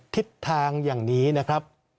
ทิศทางอย่างนี้นะครับ